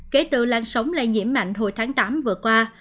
kể từ lan sống lây nhiễm mạnh hồi tháng tám vừa qua